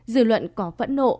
dư luận có phẫn nộ